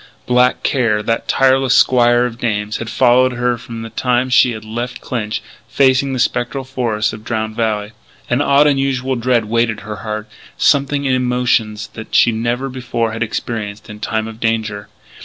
Black Care, that tireless squire of dames, had followed her from the time she had left Clinch, facing the spectral forests of Drowned Valley. An odd, unusual dread weighted her heart something in emotions that she never before had experienced in time of danger.